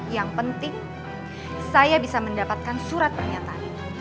yang penting saya bisa mendapatkan surat pernyataan